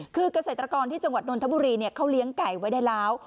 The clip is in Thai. กษัตริย์ตะกรที่จังหวัดดนทบุฬีเขาเลี้ยงไก่ไว้ได้แล้ว